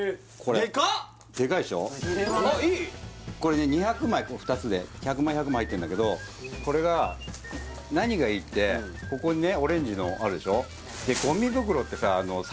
これね２００枚この２つで１００枚１００枚入ってんだけどこれが何がいいってここにねオレンジのあるでしょ